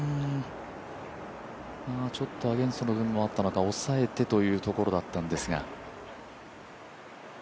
ちょっとアゲンストの部分もあった中、抑えてというところだったんですが。